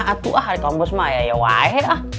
aduh ari kang bos saya ya wahe